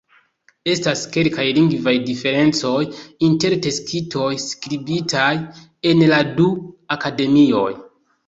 Estas kelkaj lingvaj diferencoj inter tekstoj skribitaj en la du akademioj.